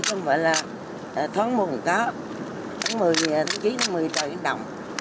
tháng một mươi tháng chín tháng một mươi trời đi đông